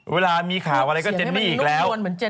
เวลามีข่าวอะไรก็เจนนี่อีกแล้ว